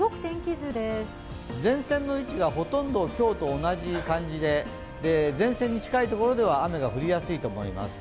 前線の位置がほとんど今日と同じ感じで前線に近いところでは雨が降りやすいと思います。